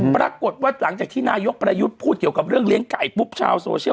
ปรากฏว่าหลังจากที่นายกประยุทธ์พูดเกี่ยวกับเรื่องเลี้ยงไก่ปุ๊บชาวโซเชียล